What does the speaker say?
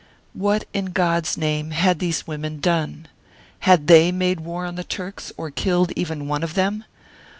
What, in God's name, had these women done? Had they made war on the Turks, or killed even one of them